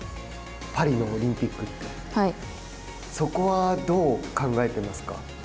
パリのオリンピック、そこはどう考えてますか。